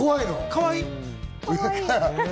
かわいい。